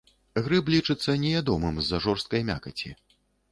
Грыб лічыцца неядомым з-за жорсткай мякаці.